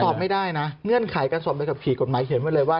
สอบไม่ได้นะเงื่อนไขการสอบใบขับขี่กฎหมายเขียนไว้เลยว่า